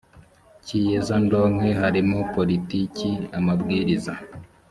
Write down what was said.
cy iyezandonke harimo politiki amabwiriza